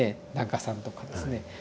檀家さんとかですね